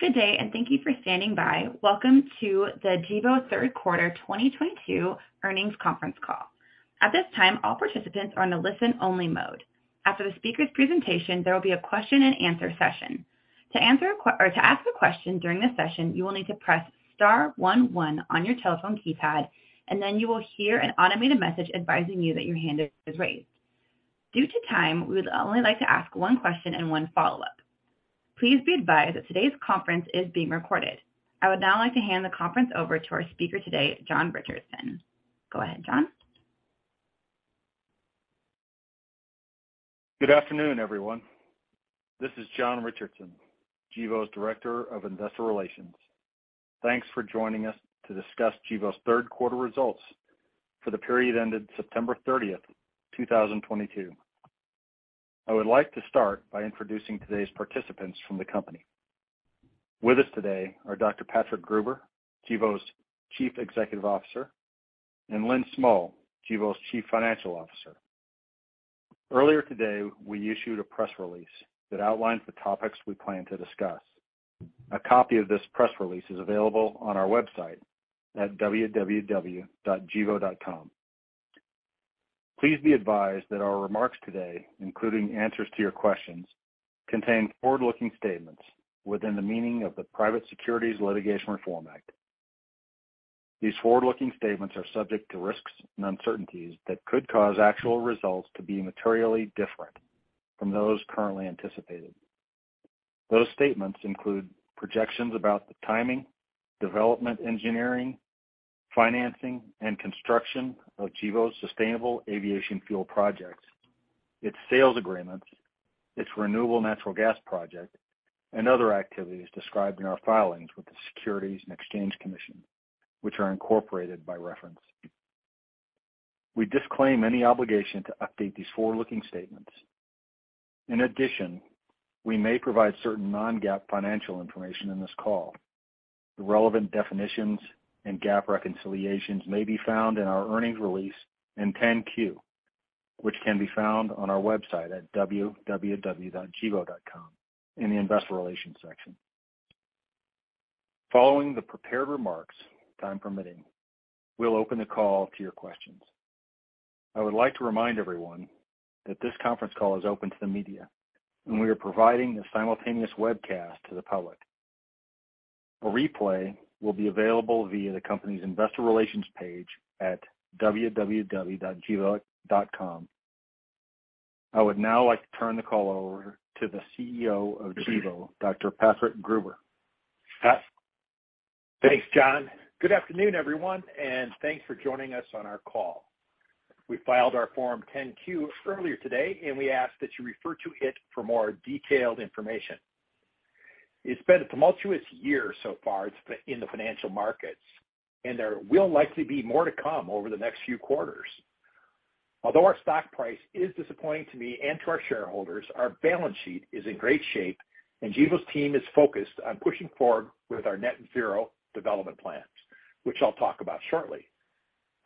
Good day. Thank you for standing by. Welcome to the Gevo third quarter 2022 earnings conference call. At this time, all participants are in a listen-only mode. After the speaker's presentation, there will be a question and answer session. To ask a question during the session, you will need to press star one one on your telephone keypad. Then you will hear an automated message advising you that your hand is raised. Due to time, we would only like to ask one question and one follow-up. Please be advised that today's conference is being recorded. I would now like to hand the conference over to our speaker today, John Richardson. Go ahead, John. Good afternoon, everyone. This is John Richardson, Gevo's Director of Investor Relations. Thanks for joining us to discuss Gevo's third quarter results for the period ended September 30th, 2022. I would like to start by introducing today's participants from the company. With us today are Dr. Patrick Gruber, Gevo's Chief Executive Officer, and Lynn Smull, Gevo's Chief Financial Officer. Earlier today, we issued a press release that outlines the topics we plan to discuss. A copy of this press release is available on our website at www.gevo.com. Please be advised that our remarks today, including answers to your questions, contain forward-looking statements within the meaning of the Private Securities Litigation Reform Act. These forward-looking statements are subject to risks and uncertainties that could cause actual results to be materially different from those currently anticipated. Those statements include projections about the timing, development engineering, financing, and construction of Gevo's sustainable aviation fuel projects, its sales agreements, its renewable natural gas project, and other activities described in our filings with the Securities and Exchange Commission, which are incorporated by reference. We disclaim any obligation to update these forward-looking statements. In addition, we may provide certain non-GAAP financial information in this call. The relevant definitions and GAAP reconciliations may be found in our earnings release and 10-Q, which can be found on our website at www.gevo.com in the investor relations section. Following the prepared remarks, time permitting, we'll open the call to your questions. I would like to remind everyone that this conference call is open to the media. We are providing a simultaneous webcast to the public. A replay will be available via the company's investor relations page at www.gevo.com. I would now like to turn the call over to the CEO of Gevo, Dr. Patrick Gruber. Pat? Thanks, John. Good afternoon, everyone, and thanks for joining us on our call. We filed our Form 10-Q earlier today, and we ask that you refer to it for more detailed information. It's been a tumultuous year so far in the financial markets, and there will likely be more to come over the next few quarters. Although our stock price is disappointing to me and to our shareholders, our balance sheet is in great shape, and Gevo's team is focused on pushing forward with our net zero development plans, which I'll talk about shortly.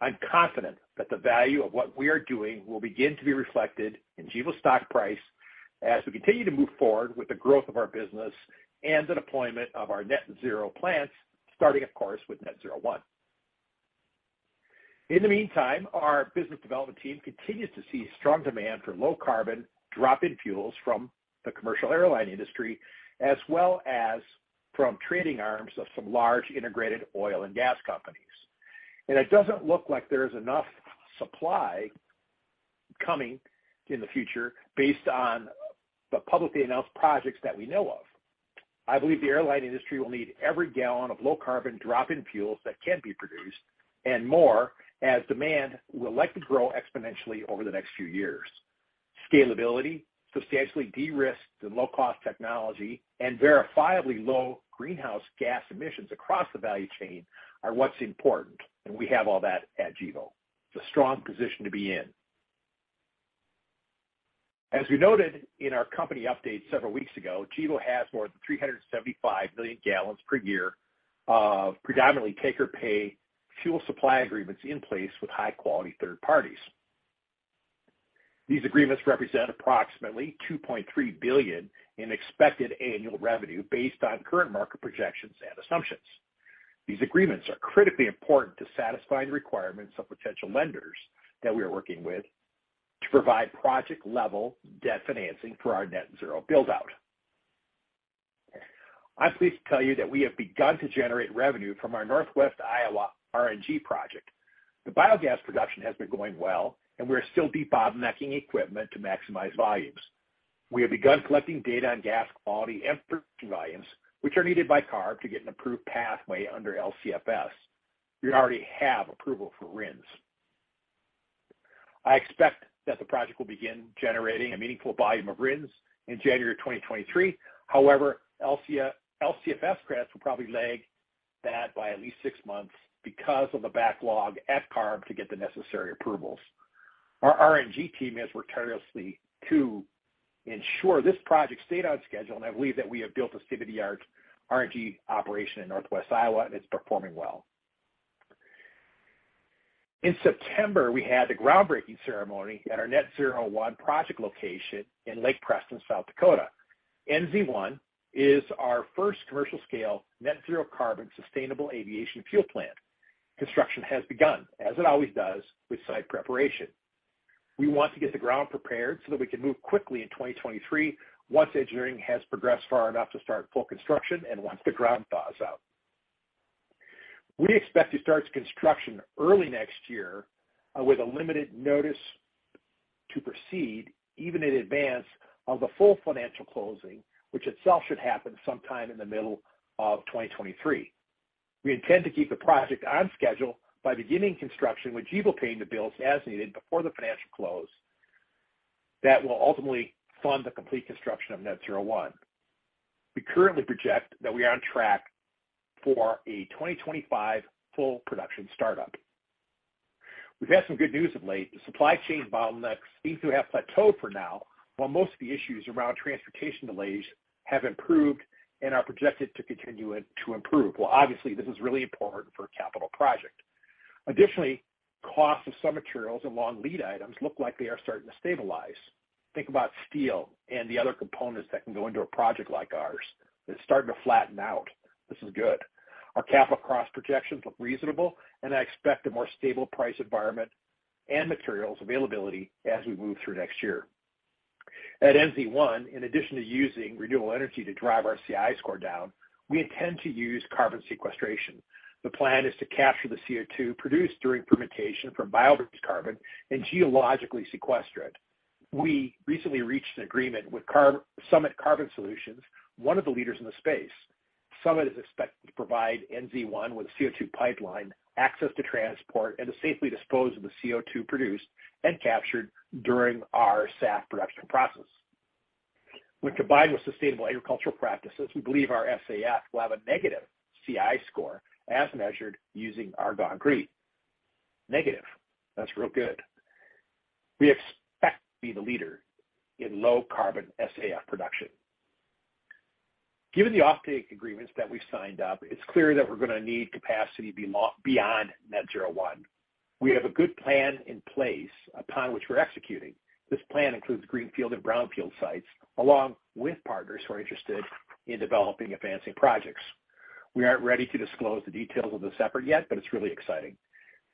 I'm confident that the value of what we are doing will begin to be reflected in Gevo's stock price as we continue to move forward with the growth of our business and the deployment of our net zero plants, starting of course, with Net-Zero 1. In the meantime, our business development team continues to see strong demand for low-carbon drop-in fuels from the commercial airline industry, as well as from trading arms of some large integrated oil and gas companies. It doesn't look like there is enough supply coming in the future based on the publicly announced projects that we know of. I believe the airline industry will need every gallon of low-carbon drop-in fuels that can be produced and more, as demand will likely grow exponentially over the next few years. Scalability, substantially de-risked and low-cost technology, and verifiably low greenhouse gas emissions across the value chain are what's important, and we have all that at Gevo. It's a strong position to be in. As we noted in our company update several weeks ago, Gevo has more than 375 million gallons per year of predominantly take-or-pay fuel supply agreements in place with high-quality third parties. These agreements represent approximately $2.3 billion in expected annual revenue based on current market projections and assumptions. These agreements are critically important to satisfy the requirements of potential lenders that we are working with to provide project-level debt financing for our net zero build-out. I'm pleased to tell you that we have begun to generate revenue from our Northwest Iowa RNG project. The biogas production has been going well, and we are still debottlenecking equipment to maximize volumes. We have begun collecting data on gas quality and production volumes, which are needed by CARB to get an approved pathway under LCFS. We already have approval for RINs. I expect that the project will begin generating a meaningful volume of RINs in January 2023. However, LCFS credits will probably lag that by at least six months because of the backlog at CARB to get the necessary approvals. Our RNG team has worked tirelessly to ensure this project stayed on schedule, and I believe that we have built a state-of-the-art RNG operation in northwest Iowa, and it's performing well. In September, we had the groundbreaking ceremony at our Net-Zero 1 project location in Lake Preston, South Dakota. NZ1 is our first commercial-scale, net zero carbon sustainable aviation fuel plant. Construction has begun, as it always does, with site preparation. We want to get the ground prepared so that we can move quickly in 2023 once engineering has progressed far enough to start full construction and once the ground thaws out. We expect to start construction early next year with a limited notice to proceed, even in advance of the full financial closing, which itself should happen sometime in the middle of 2023. We intend to keep the project on schedule by beginning construction with Gevo paying the bills as needed before the financial close. That will ultimately fund the complete construction of Net-Zero 1. We currently project that we are on track for a 2025 full production startup. We've had some good news of late. The supply chain bottlenecks seem to have plateaued for now, while most of the issues around transportation delays have improved and are projected to continue to improve. Obviously, this is really important for a capital project. Additionally, costs of some materials and long lead items look like they are starting to stabilize. Think about steel and the other components that can go into a project like ours. It's starting to flatten out. This is good. Our capital cost projections look reasonable, and I expect a more stable price environment and materials availability as we move through next year. At NZ1, in addition to using renewable energy to drive our CI score down, we intend to use carbon sequestration. The plan is to capture the CO2 produced during fermentation from biomass carbon and geologically sequester it. We recently reached an agreement with Summit Carbon Solutions, one of the leaders in the space. Summit is expected to provide NZ1 with a CO2 pipeline, access to transport, and to safely dispose of the CO2 produced and captured during our SAF production process. When combined with sustainable agricultural practices, we believe our SAF will have a negative CI score as measured using Argonne GREET. Negative. That's real good. We expect to be the leader in low-carbon SAF production. Given the offtake agreements that we've signed up, it's clear that we're going to need capacity beyond Net-Zero 1. We have a good plan in place upon which we're executing. This plan includes greenfield and brownfield sites, along with partners who are interested in developing advancing projects. We aren't ready to disclose the details of this effort yet, but it's really exciting.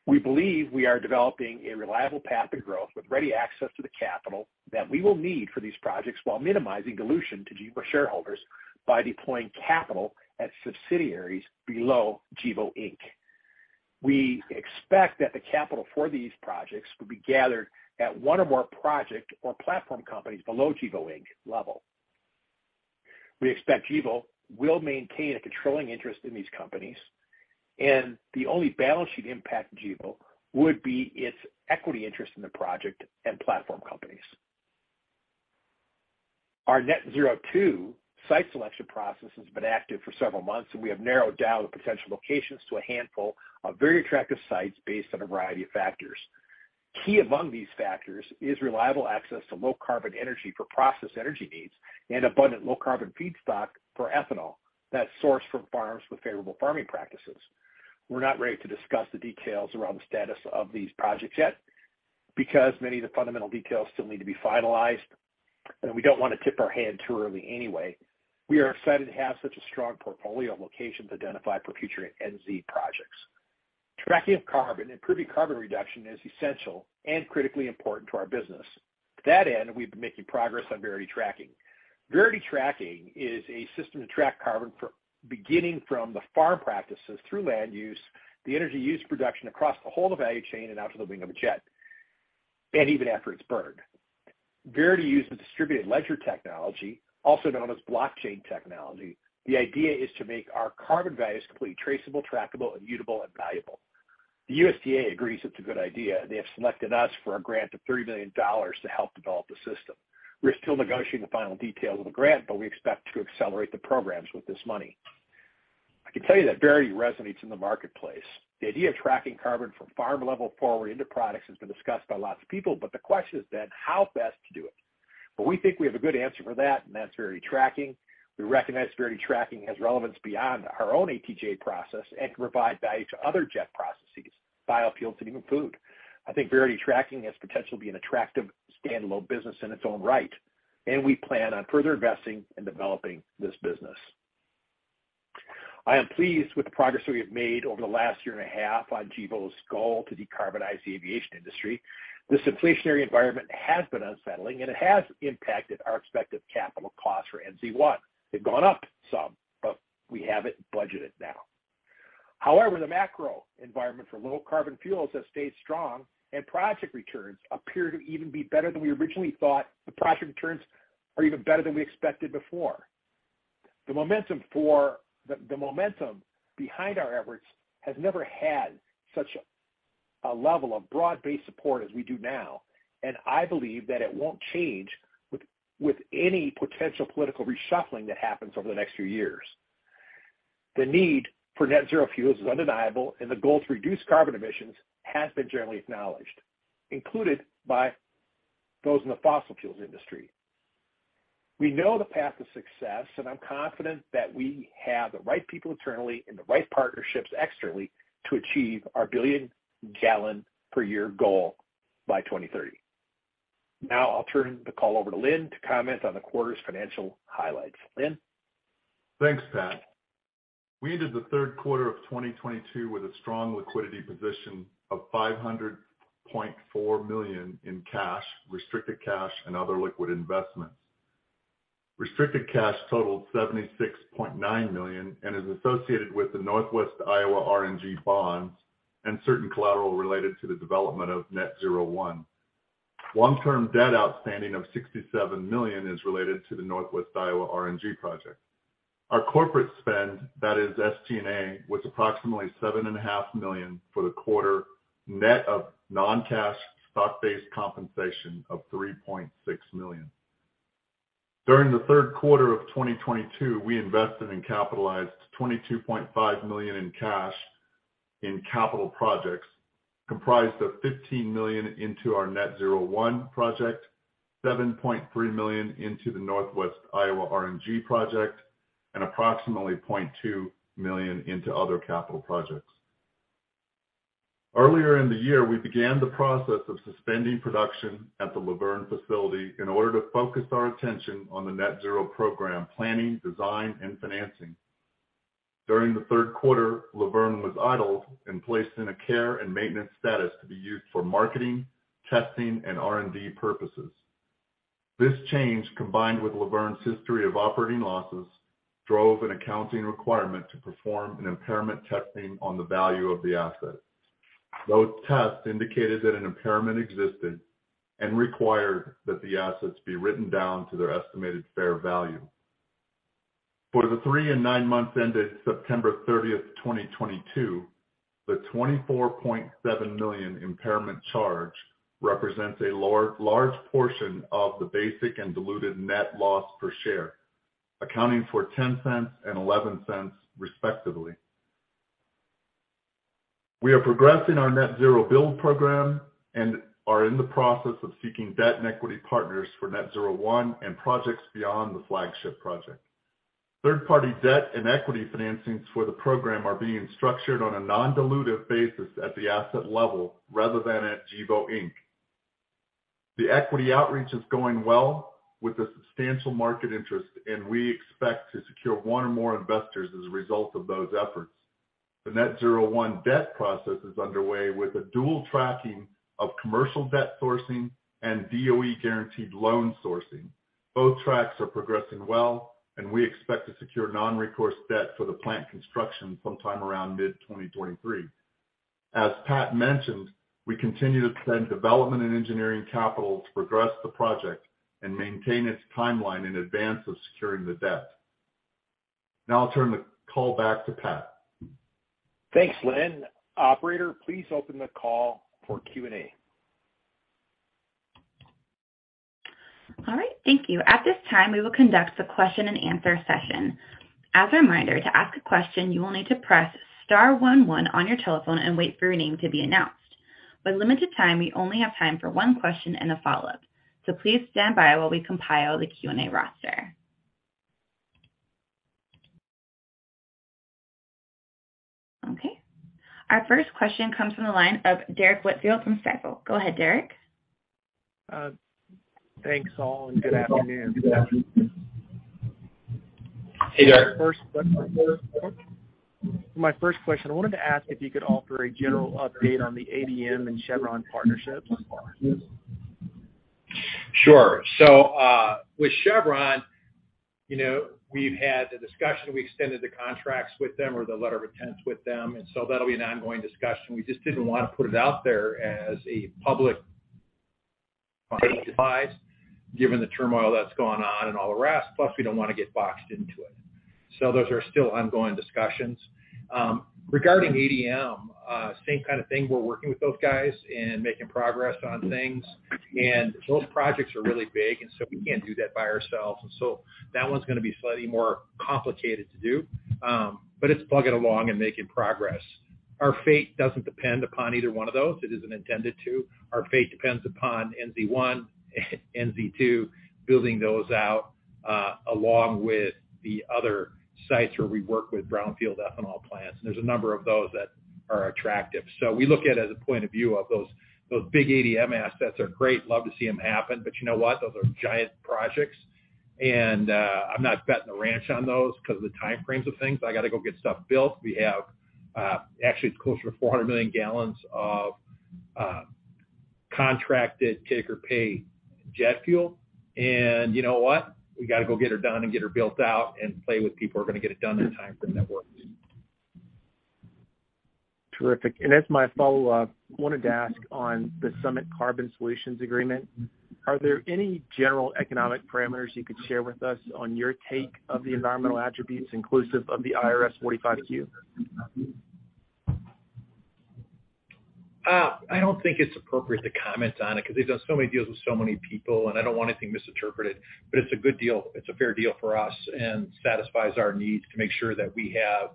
We believe we are developing a reliable path to growth with ready access to the capital that we will need for these projects while minimizing dilution to Gevo shareholders by deploying capital at subsidiaries below Gevo, Inc. We expect that the capital for these projects will be gathered at one or more project or platform companies below Gevo, Inc. level. We expect Gevo will maintain a controlling interest in these companies, and the only balance sheet impact to Gevo would be its equity interest in the project and platform companies. Our Net-Zero 2 site selection process has been active for several months, and we have narrowed down the potential locations to a handful of very attractive sites based on a variety of factors. Key among these factors is reliable access to low-carbon energy for process energy needs and abundant low-carbon feedstock for ethanol that's sourced from farms with favorable farming practices. We're not ready to discuss the details around the status of these projects yet because many of the fundamental details still need to be finalized, and we don't want to tip our hand too early anyway. We are excited to have such a strong portfolio of locations identified for future NZ projects. Tracking of carbon and proving carbon reduction is essential and critically important to our business. To that end, we've been making progress on Verity Tracking. Verity Tracking is a system to track carbon beginning from the farm practices through land use, the energy used production across the whole of the value chain, and out to the wing of a jet, and even after it's burned. Verity uses distributed ledger technology, also known as blockchain technology. The idea is to make our carbon values completely traceable, trackable, immutable, and valuable. The USDA agrees it's a good idea, and they have selected us for a grant of $30 million to help develop the system. We're still negotiating the final details of the grant. We expect to accelerate the programs with this money. I can tell you that Verity resonates in the marketplace. The idea of tracking carbon from farm level forward into products has been discussed by lots of people, but the question is then how best to do it? We think we have a good answer for that, and that's Verity Tracking. We recognize Verity Tracking has relevance beyond our own ATJ process and can provide value to other jet processes, biofuels, and even food. I think Verity Tracking has potential to be an attractive standalone business in its own right, and we plan on further investing and developing this business. I am pleased with the progress we have made over the last year and a half on Gevo's goal to decarbonize the aviation industry. This inflationary environment has been unsettling, and it has impacted our expected capital costs for NZ1. They've gone up some. We have it budgeted now. The macro environment for low carbon fuels has stayed strong, and project returns appear to even be better than we originally thought. The project returns are even better than we expected before. The momentum behind our efforts has never had such a level of broad-based support as we do now, and I believe that it won't change with any potential political reshuffling that happens over the next few years. The need for net zero fuels is undeniable, and the goal to reduce carbon emissions has been generally acknowledged, included by those in the fossil fuels industry. We know the path to success, and I'm confident that we have the right people internally and the right partnerships externally to achieve our billion gallon per year goal by 2030. Now I'll turn the call over to Lynn to comment on the quarter's financial highlights. Lynn? Thanks, Pat. We ended the third quarter of 2022 with a strong liquidity position of $500.4 million in cash, restricted cash, and other liquid investments. Restricted cash totaled $76.9 million and is associated with the Northwest Iowa RNG bonds and certain collateral related to the development of Net-Zero 1. Long-term debt outstanding of $67 million is related to the Northwest Iowa RNG project. Our corporate spend, that is SG&A, was approximately $7.5 million for the quarter, net of non-cash stock-based compensation of $3.6 million. During the third quarter of 2022, we invested and capitalized $22.5 million in cash in capital projects, comprised of $15 million into our Net-Zero 1 project, $7.3 million into the Northwest Iowa RNG project, and approximately $0.2 million into other capital projects. Earlier in the year, we began the process of suspending production at the Luverne facility in order to focus our attention on the Net-Zero Program planning, design, and financing. During the third quarter, Luverne was idled and placed in a care and maintenance status to be used for marketing, testing, and R&D purposes. This change, combined with Luverne's history of operating losses, drove an accounting requirement to perform an impairment testing on the value of the asset. Those tests indicated that an impairment existed and required that the assets be written down to their estimated fair value. For the three and nine months ended September 30th, 2022, the $24.7 million impairment charge represents a large portion of the basic and diluted net loss per share, accounting for $0.10 and $0.11 respectively. We are progressing our Net-Zero Build Program and are in the process of seeking debt and equity partners for Net-Zero 1 and projects beyond the flagship project. Third-party debt and equity financings for the program are being structured on a non-dilutive basis at the asset level rather than at Gevo, Inc. The equity outreach is going well with a substantial market interest. We expect to secure one or more investors as a result of those efforts. The Net-Zero 1 debt process is underway with a dual tracking of commercial debt sourcing and DOE guaranteed loan sourcing. Both tracks are progressing well, and we expect to secure non-recourse debt for the plant construction sometime around mid-2023. As Pat mentioned, we continue to spend development and engineering capital to progress the project and maintain its timeline in advance of securing the debt. I'll turn the call back to Pat. Thanks, Lynn. Operator, please open the call for Q&A. All right. Thank you. At this time, we will conduct the question and answer session. As a reminder, to ask a question, you will need to press star one one on your telephone and wait for your name to be announced. With limited time, we only have time for one question and a follow-up, so please stand by while we compile the Q&A roster. Okay. Our first question comes from the line of Derrick Whitfield from Stifel. Go ahead, Derrick. Thanks all, good afternoon. Hey, Derrick. My first question, I wanted to ask if you could offer a general update on the ADM and Chevron partnerships. Sure. With Chevron, we've had the discussion, we extended the contracts with them or the letter of intents with them, that'll be an ongoing discussion. We just didn't want to put it out there as a public device given the turmoil that's gone on and all the rest, plus we don't want to get boxed into it. Those are still ongoing discussions. Regarding ADM, same kind of thing. We're working with those guys and making progress on things. Those projects are really big, we can't do that by ourselves, that one's going to be slightly more complicated to do. It's plugging along and making progress. Our fate doesn't depend upon either one of those. It isn't intended to. Our fate depends upon NZ1, NZ2, building those out, along with the other sites where we work with brownfield ethanol plants, and there's a number of those that are attractive. We look at it as a point of view of those big ADM assets are great, love to see them happen, but you know what? Those are giant projects, and I'm not betting the ranch on those because of the timeframes of things. I got to go get stuff built. We have actually close to 400 million gallons of contracted take-or-pay jet fuel. You know what? We got to go get her done and get her built out and play with people who are going to get it done in time for the network. Terrific. As my follow-up, wanted to ask on the Summit Carbon Solutions agreement, are there any general economic parameters you could share with us on your take of the environmental attributes inclusive of the Section 45Q? I don't think it's appropriate to comment on it because they've done so many deals with so many people, and I don't want anything misinterpreted, but it's a good deal. It's a fair deal for us and satisfies our needs to make sure that we have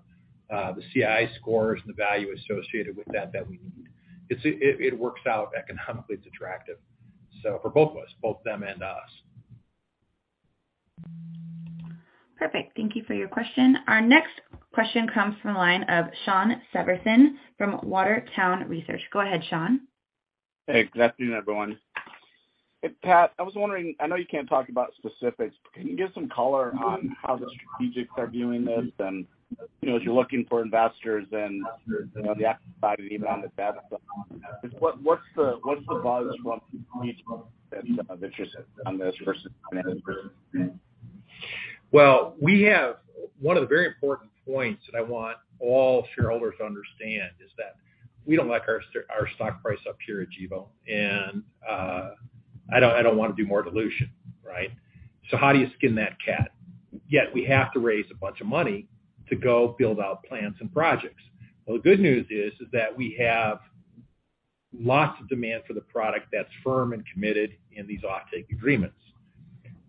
the CI scores and the value associated with that that we need. It works out economically, it's attractive. For both of us, both them and us. Perfect. Thank you for your question. Our next question comes from the line of Shawn Severson from Water Tower Research. Go ahead, Shawn. Hey, good afternoon, everyone. Pat, I was wondering, I know you can't talk about specifics, but can you give some color on how the strategics are viewing this? As you're looking for investors and the equity side and even on the debt side, what's the buzz from people that's of interest on this versus? One of the very important points that I want all shareholders to understand is that we don't like our stock price up here at Gevo, and I don't want to do more dilution. Right? How do you skin that cat? We have to raise a bunch of money to go build out plants and projects. The good news is that we have lots of demand for the product that's firm and committed in these offtake agreements.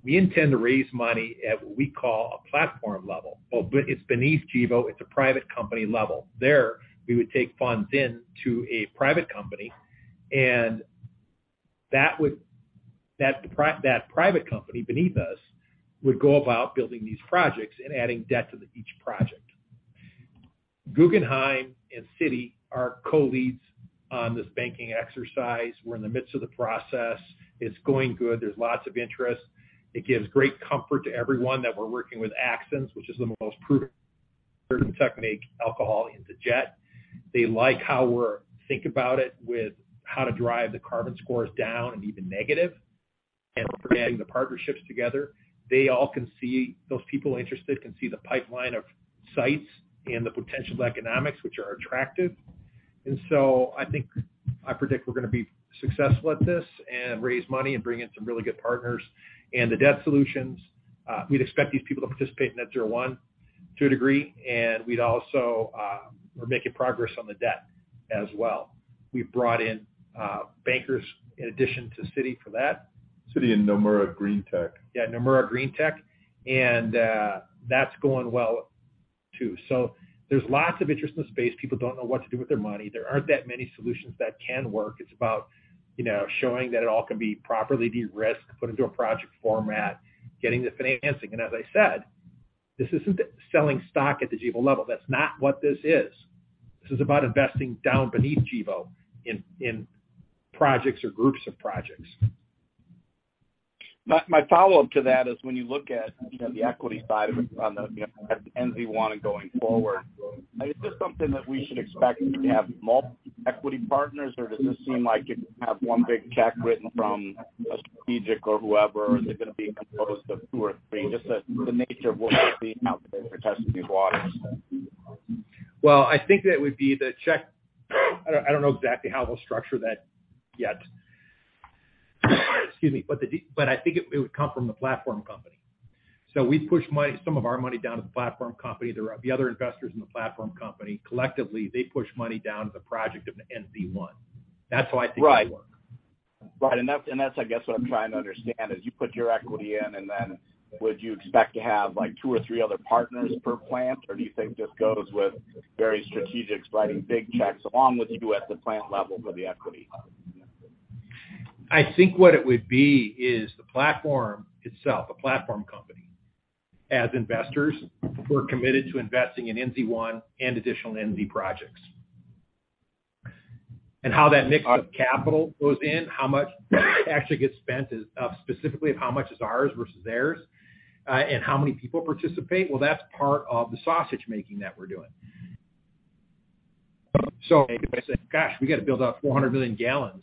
We intend to raise money at what we call a platform level. It's beneath Gevo, it's a private company level. There, we would take funds into a private company, and that private company beneath us would go about building these projects and adding debt to each project. Guggenheim and Citi are co-leads on this banking exercise. We're in the midst of the process. It's going good. There's lots of interest. It gives great comfort to everyone that we're working with Axens, which is the most proven technique, alcohol into jet. They like how we think about it, with how to drive the carbon scores down and even negative, and we're adding the partnerships together. Those people interested can see the pipeline of sites and the potential economics, which are attractive. I predict we're going to be successful at this and raise money and bring in some really good partners. The debt solutions, we'd expect these people to participate in Net-Zero 1 to a degree, and we're making progress on the debt as well. We've brought in bankers in addition to Citi for that. Citi and Nomura Greentech. Yeah, Nomura Greentech. That's going well, too. There's lots of interest in the space. People don't know what to do with their money. There aren't that many solutions that can work. It's about showing that it all can be properly de-risked, put into a project format, getting the financing. As I said, this isn't selling stock at the Gevo level. That's not what this is. This is about investing down beneath Gevo in projects or groups of projects. My follow-up to that is when you look at the equity side of it on the NZ1 and going forward, is this something that we should expect to have multiple equity partners, or does this seem like it could have one big check written from a strategic or whoever? Are they going to be composed of two or three? Just the nature of what we're seeing out there for testing these waters. Well, I think that would be the check. I don't know exactly how we'll structure that yet. Excuse me. I think it would come from the platform company. We push some of our money down to the platform company. The other investors in the platform company, collectively, they push money down to the project of the NZ1. That's how I think it would work. Right. That's, I guess what I'm trying to understand is you put your equity in and then would you expect to have two or three other partners per plant, or do you think this goes with various strategics writing big checks along with you at the plant level for the equity? I think what it would be is the platform itself, a platform company. As investors, we're committed to investing in NZ1 and additional NZ projects. How that mix of capital goes in, how much actually gets spent specifically of how much is ours versus theirs, and how many people participate, well, that's part of the sausage-making that we're doing. Everybody says, "Gosh, we got to build out 400 million gallons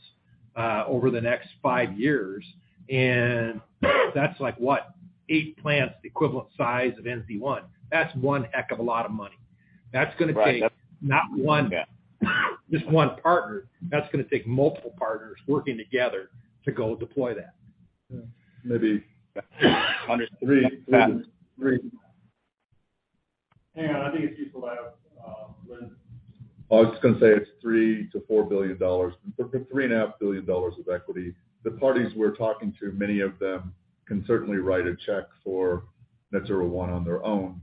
over the next five years," and that's like, what? Eight plants the equivalent size of NZ1. That's one heck of a lot of money. That's going to take- Right not just one partner. That's going to take multiple partners working together to go deploy that. Yeah. Maybe three. Hang on. I think it's useful to have Lynn. I was just going to say it's $3 billion-$4 billion, $3.5 billion of equity. The parties we're talking to, many of them can certainly write a check for Net-Zero 1 on their own,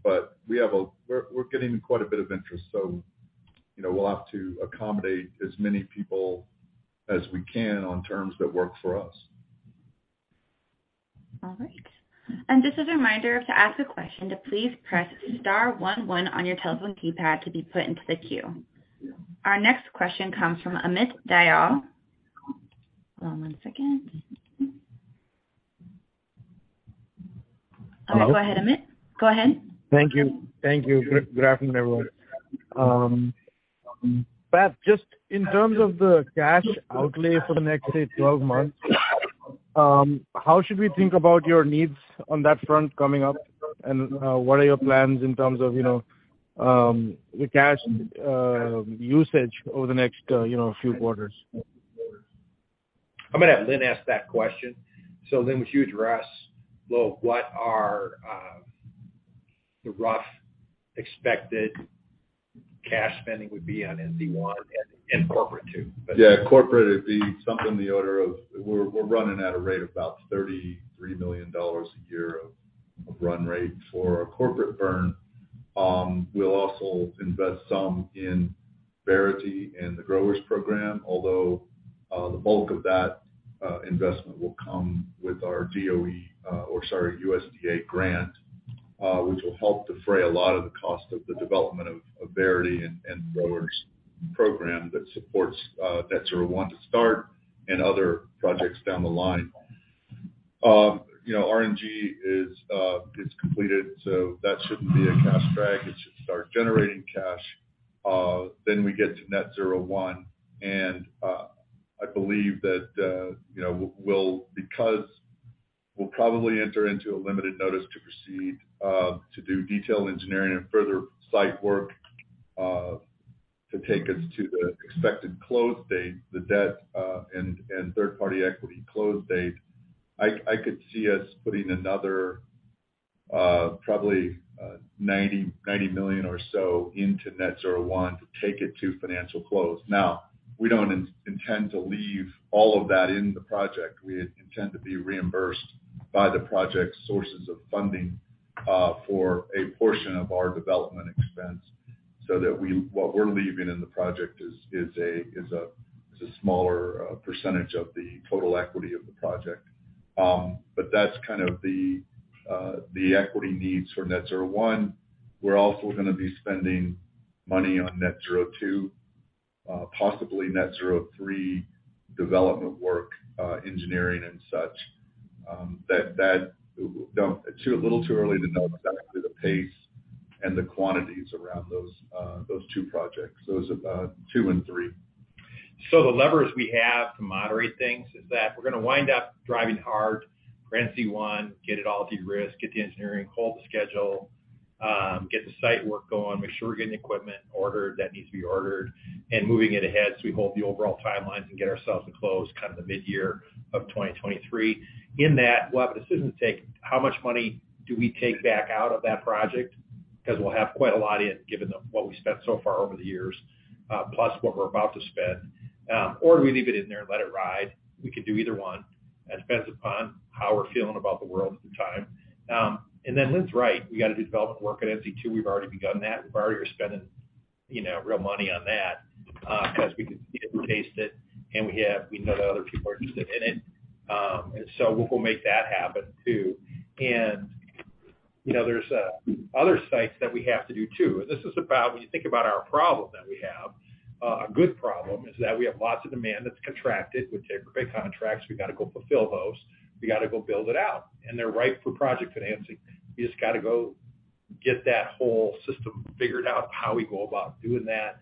we're getting quite a bit of interest, we'll have to accommodate as many people as we can on terms that work for us. All right. Just a reminder to ask a question, to please press star one one on your telephone keypad to be put into the queue. Our next question comes from Amit Dayal. Hold on one second. Amit, go ahead, Amit. Go ahead. Thank you. Good afternoon, everyone. Pat, just in terms of the cash outlay for the next, say, 12 months, how should we think about your needs on that front coming up, what are your plans in terms of the cash usage over the next few quarters? I'm going to have Lynn ask that question. Lynn, would you address what our rough expected cash spending would be on NZ1 and corporate, too? Corporate, it'd be something in the order of we're running at a rate of about $33 million a year of run rate for a corporate burn. We'll also invest some in Verity and the Grower Program, although the bulk of that investment will come with our DOE, USDA grant, which will help defray a lot of the cost of the development of Verity and Grower Program that supports Net-Zero 1 to start and other projects down the line. RNG is completed, so that shouldn't be a cash drag. It should start generating cash. We get to Net-Zero 1, and I believe that we'll probably enter into a limited notice to proceed to do detailed engineering and further site work to take us to the expected close date, the debt and third-party equity close date. I could see us putting another probably $90 million or so into Net-Zero 1 to take it to financial close. We don't intend to leave all of that in the project. We intend to be reimbursed by the project's sources of funding for a portion of our development expense, so that what we're leaving in the project is a smaller percentage of the total equity of the project. That's kind of the equity needs for Net-Zero 1. We're also going to be spending money on Net-Zero 2, possibly Net-Zero 3 development work, engineering and such. A little too early to know exactly the pace and the quantities around those two projects. Those are two and three. The levers we have to moderate things is that we're going to wind up driving hard for NZ1, get it all de-risked, get the engineering, hold the schedule, get the site work going, make sure we're getting equipment ordered that needs to be ordered, moving it ahead so we hold the overall timelines and get ourselves a close kind of the mid-year of 2023. In that, we'll have a decision to take how much money do we take back out of that project, because we'll have quite a lot in, given what we've spent so far over the years, plus what we're about to spend. Do we leave it in there and let it ride? We could do either one. It depends upon how we're feeling about the world at the time. Lynn's right. We've got to do development work at NZ2. We've already begun that. We're already spending real money on that because we can taste it and we know that other people are interested in it. We'll make that happen, too. There's other sites that we have to do, too. This is about when you think about our problem that we have, a good problem, is that we have lots of demand that's contracted with big contracts. We've got to go fulfill those. We got to go build it out. They're right for project financing. We just got to go get that whole system figured out how we go about doing that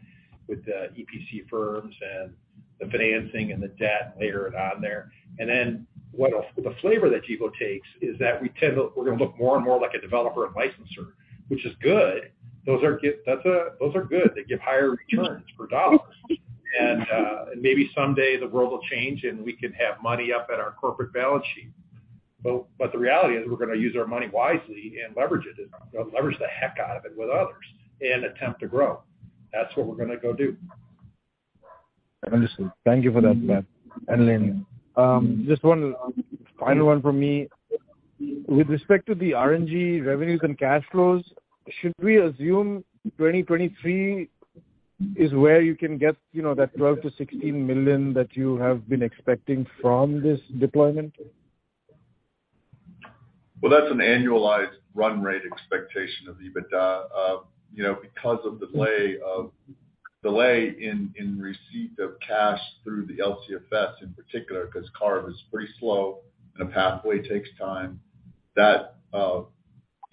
with the EPC firms and the financing and the debt layered on there. The flavor that Gevo takes is that we're going to look more and more like a developer and licenser, which is good. Those are good. They give higher returns for dollars. Maybe someday the world will change and we can have money up at our corporate balance sheet. The reality is we're going to use our money wisely and leverage the heck out of it with others and attempt to grow. That's what we're going to go do. Understood. Thank you for that, Pat and Lynn. Just one final one from me. With respect to the RNG revenues and cash flows, should we assume 2023 is where you can get that $12 million-$16 million that you have been expecting from this deployment? That's an annualized run rate expectation of EBITDA. Because of delay in receipt of cash through the LCFS in particular, because CARB is pretty slow and a pathway takes time, that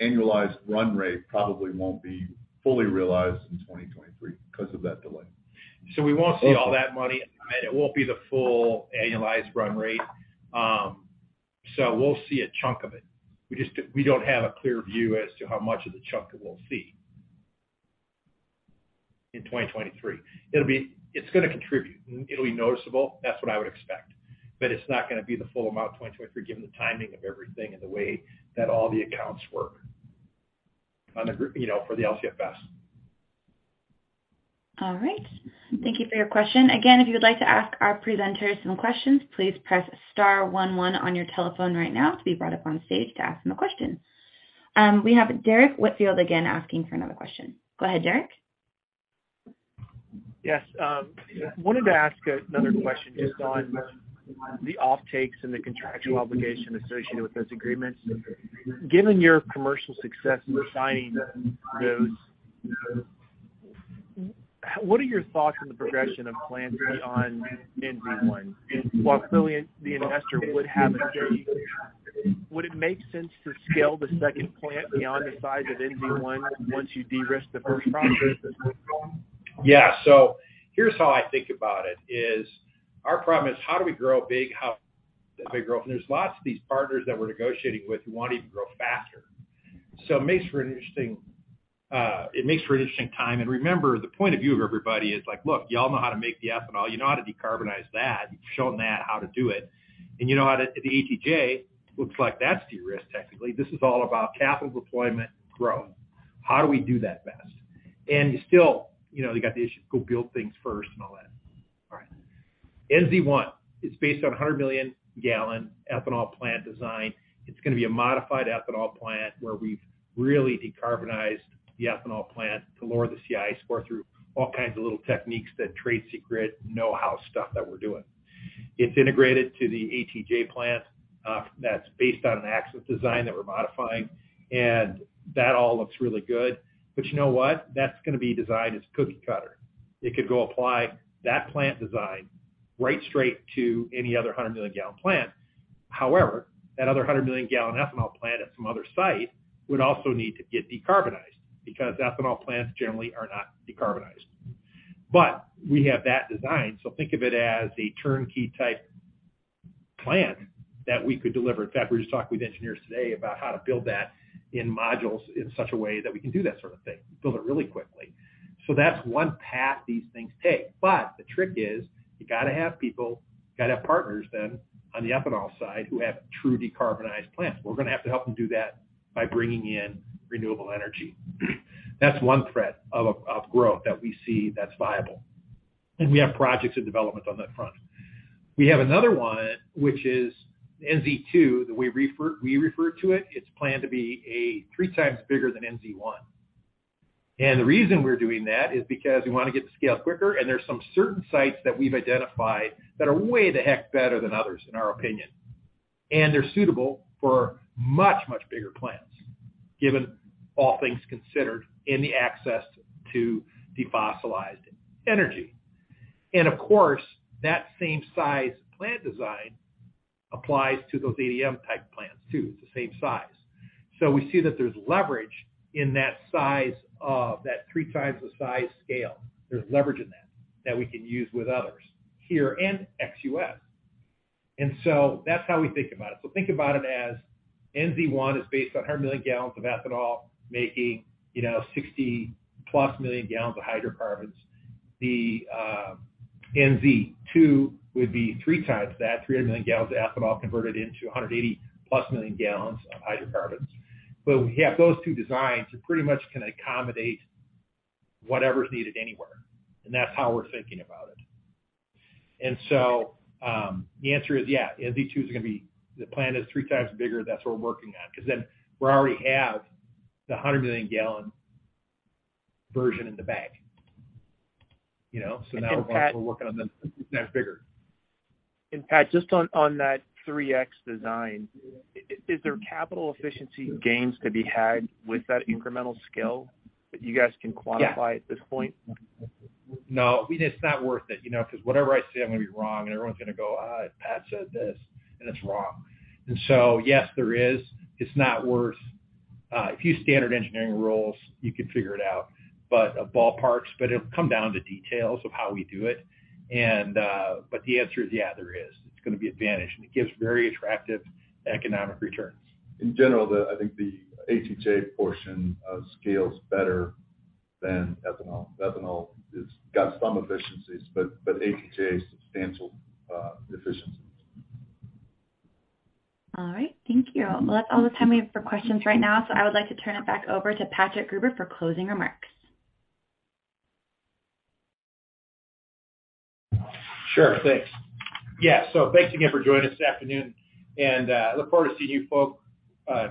annualized run rate probably won't be fully realized in 2023 because of that delay. We won't see all that money, it won't be the full annualized run rate. We'll see a chunk of it. We don't have a clear view as to how much of the chunk that we'll see in 2023. It's going to contribute. It'll be noticeable. That's what I would expect. It's not going to be the full amount in 2023, given the timing of everything and the way that all the accounts work for the LCFS. All right. Thank you for your question. If you would like to ask our presenters some questions, please press star 11 on your telephone right now to be brought up on stage to ask them a question. We have Derrick Whitfield again asking for another question. Go ahead, Derrick. Yes. Wanted to ask another question just on the offtakes and the contractual obligation associated with those agreements. Given your commercial success in signing those, what are your thoughts on the progression of plans beyond NZ1? While clearly the investor would have a say, would it make sense to scale the second plant beyond the size of NZ1 once you de-risk the first project? Yeah. Here's how I think about it, is our problem is how do we grow big, how do we grow? There's lots of these partners that we're negotiating with who want even to grow faster. It makes for an interesting time. Remember, the point of view of everybody is like, look, you all know how to make the ethanol. You know how to decarbonize that. You've shown that how to do it. You know how to the ATJ looks like that's de-risked, technically. This is all about capital deployment and growth. How do we do that best? You still got the issue to go build things first and all that. NZ1 is based on 100 million gallon ethanol plant design. It's going to be a modified ethanol plant where we've really decarbonized the ethanol plant to lower the CI score through all kinds of little techniques, that trade secret know-how stuff that we're doing. It's integrated to the ATJ plant that's based on an Axens design that we're modifying, and that all looks really good. You know what? That's going to be designed as cookie cutter. It could go apply that plant design right straight to any other 100 million gallon plant. However, that other 100 million gallon ethanol plant at some other site would also need to get decarbonized because ethanol plants generally are not decarbonized. We have that design, so think of it as a turnkey type plant that we could deliver. In fact, we were just talking with engineers today about how to build that in modules in such a way that we can do that sort of thing, build it really quickly. That's one path these things take. The trick is you got to have people, got to have partners then on the ethanol side who have true decarbonized plants. We're going to have to help them do that by bringing in renewable energy. That's one thread of growth that we see that's viable, and we have projects in development on that front. We have another one, which is NZ2, that we refer to it. It's planned to be three times bigger than NZ1. The reason we're doing that is because we want to get to scale quicker, and there's some certain sites that we've identified that are way the heck better than others in our opinion. They're suitable for much, much bigger plants, given all things considered in the access to defossilized energy. Of course, that same size plant design applies to those ADM type plants too. It's the same size. We see that there's leverage in that three times the size scale. There's leverage in that we can use with others here and ex-U.S. That's how we think about it. Think about it as NZ1 is based on 100 million gallons of ethanol, making 60-plus million gallons of hydrocarbons. The NZ2 would be three times that, 300 million gallons of ethanol converted into 180-plus million gallons of hydrocarbons. We have those two designs that pretty much can accommodate whatever's needed anywhere, and that's how we're thinking about it. The answer is yes. NZ2 is going to be the plan is three times bigger. That's what we're working on. Because then we already have the 100 million gallon version in the bag. Pat we're working on the next bigger. Pat, just on that 3x design, is there capital efficiency gains to be had with that incremental scale that you guys can quantify at this point? No, it's not worth it. Whatever I say, I'm going to be wrong, and everyone's going to go, "Pat said this," and it's wrong. Yes, there is. It's not worth A few standard engineering rules, you could figure it out, but it'll come down to details of how we do it. The answer is yes, there is. It's going to be advantage, and it gives very attractive economic returns. In general, I think the ATJ portion scales better than ethanol. Ethanol has got some efficiencies, but ATJ has substantial efficiencies. All right. Thank you. That's all the time we have for questions right now, so I would like to turn it back over to Patrick R. Gruber for closing remarks. Sure. Thanks. Thanks again for joining us this afternoon, and look forward to seeing you folk,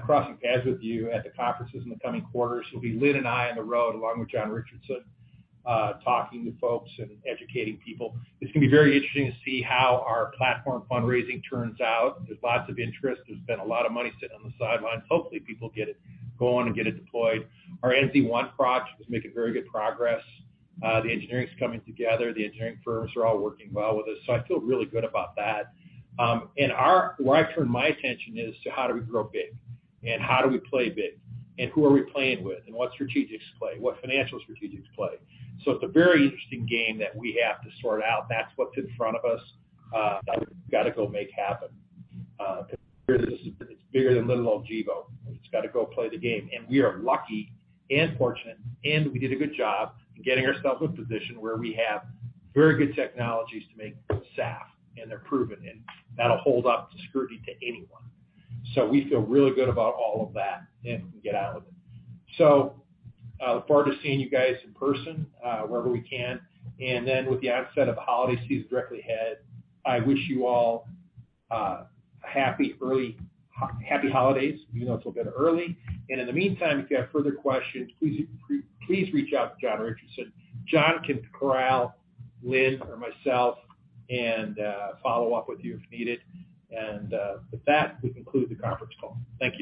crossing paths with you at the conferences in the coming quarters. It'll be Lynn and I on the road along with John Richardson, talking to folks and educating people. It's going to be very interesting to see how our platform fundraising turns out. There's lots of interest. There's been a lot of money sitting on the sidelines. Hopefully, people get it going and get it deployed. Our NZ1 projects making very good progress. The engineering's coming together. The engineering firms are all working well with us, so I feel really good about that. Where I turn my attention is to how do we grow big, and how do we play big, and who are we playing with, and what strategic play, what financial strategic play? It's a very interesting game that we have to sort out. That's what's in front of us that we've got to go make happen. It's bigger than little old Gevo. We just got to go play the game. We are lucky and fortunate, and we did a good job in getting ourselves a position where we have very good technologies to make SAF, and they're proven, and that'll hold up to scrutiny to anyone. We feel really good about all of that, and we can get on with it. Look forward to seeing you guys in person wherever we can. With the onset of the holiday season directly ahead, I wish you all happy holidays, even though it's a bit early. In the meantime, if you have further questions, please reach out to John Richardson. John can corral Lynn or myself and follow up with you if needed. With that, we conclude the conference call. Thank you.